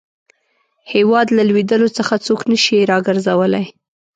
هیواد له لوېدلو څخه څوک نه شي را ګرځولای.